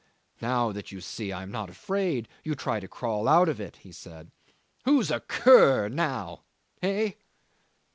"Now that you see I am not afraid you try to crawl out of it," he said. "Who's a cur now hey?"